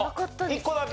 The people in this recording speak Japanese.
１個だけ？